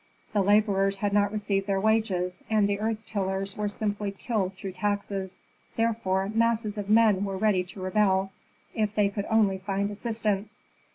The laborers had not received their wages, and the earth tillers were simply killed through taxes, therefore masses of men were ready to rebel if they could only find assistance.